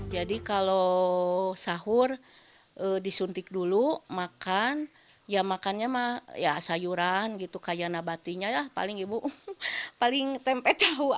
jadi kalau sahur disuntik dulu makan ya makannya mah sayuran gitu kayak nabatinya ya paling tempe cowok